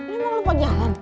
emang lo ke jalan